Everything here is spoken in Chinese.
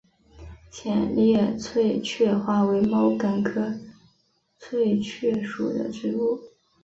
浅裂翠雀花为毛茛科翠雀属的植物。